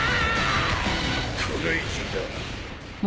クレイジーだ。